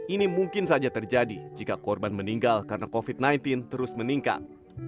ini mungkin saja terjadi jika korban meninggal karena covid sembilan belas terus meningkat